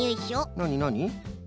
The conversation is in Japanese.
なになに？